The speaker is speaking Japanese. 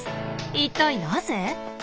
一体なぜ？